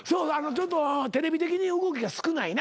ちょっとテレビ的に動きが少ないな。